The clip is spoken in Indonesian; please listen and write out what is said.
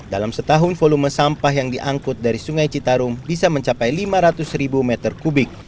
dalam setahun volume sampah yang diangkut dari sungai citarum bisa mencapai lima ratus ribu meter kubik